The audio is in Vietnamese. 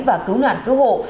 và cứu nạn cứu hộ